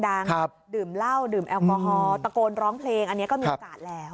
ดื่มเหล้าดื่มแอลกอฮอลตะโกนร้องเพลงอันนี้ก็มีโอกาสแล้ว